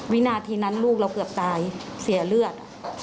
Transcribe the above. วินาทีนั้นลูกเราเกือบตายเสียเลือด